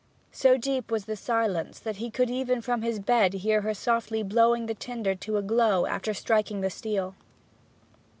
So deep was the silence that he could even from his bed hear her softly blowing the tinder to a glow after striking the steel.